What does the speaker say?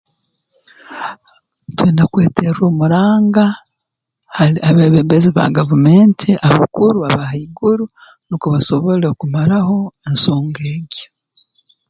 Twine kweterra omuranga hali abeebembezi ba gavumenti abakuru aba haiguru nukwo basoble kumaraho ensonga egyo